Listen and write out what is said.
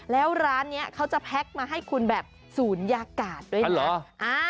แล้วร้านนี้เขาจะแพ็คมาให้คุณแบบศูนยากาศด้วย